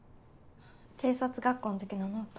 警察学校の時のノート？